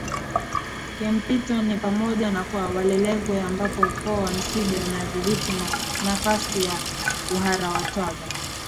kimpito ni pamoja na kwa Walelengwe ambapo Ukoo wa Msimbe unadhibiti nafasi ya Uharatwaga